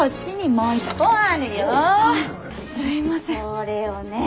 これをね